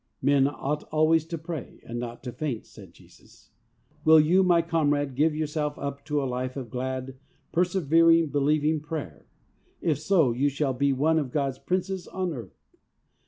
' Men ought always to pray, and not to faint,' said Jesus. Will you, my comrade, give yourself up to a life of glad, persever ing, believing prayer ? If so, you shall be one of God's princes on earth.